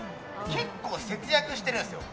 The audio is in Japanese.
結構、節約してるんですよ。